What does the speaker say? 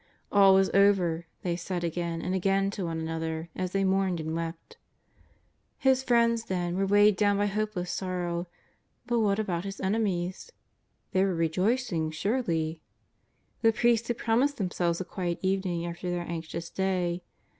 All was over, they said again and again to one another as they mourned and wept. His friends, then, were weighed down by hopeless sorrow. But what about His enemies ? They were rejoicing surely ? The priests had promised them selves a quiet evening after their anxious day.